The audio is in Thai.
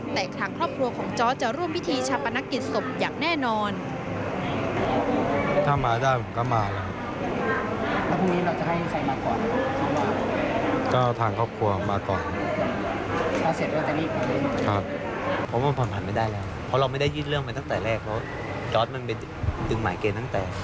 แต่ทางครอบครัวของจอร์ดจะร่วมพิธีชาปนกิจศพอย่างแน่นอน